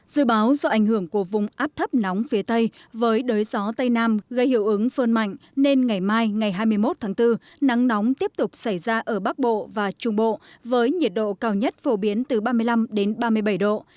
dự báo do ảnh hưởng của vùng áp thấp nóng phía tây với đới gió tây nam gây hiệu ứng phơn mạnh nên ngày mai ngày hai mươi một tháng bốn nắng nóng tiếp tục xảy ra ở bắc bộ và trung bộ với nhiệt độ cao nhất phổ biến từ ba mươi năm ba mươi bảy độ